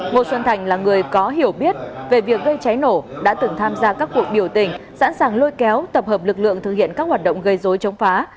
ngô xuân thành là người có hiểu biết về việc gây cháy nổ đã từng tham gia các cuộc biểu tình sẵn sàng lôi kéo tập hợp lực lượng thực hiện các hoạt động gây dối chống phá